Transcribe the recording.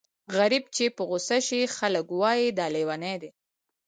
غريب چې په غوسه شي خلک وايي دا لېونی دی.